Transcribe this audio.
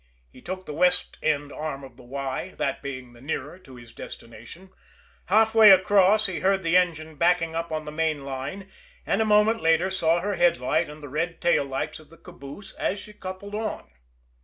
He took the west end arm of the Y, that being the nearer to his destination. Halfway across, he heard the engine backing up on the main line, and, a moment later, saw her headlight and the red tail lights of the caboose as she coupled on.